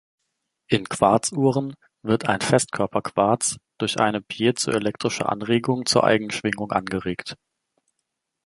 In Quarzuhren wird ein Festkörper-Quarz durch eine piezoelektrische Anregung zur Eigenschwingung angeregt.